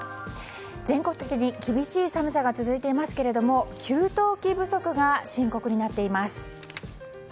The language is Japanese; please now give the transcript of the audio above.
全国的に厳しい寒さが続いていますが給湯器不足が深刻になっています。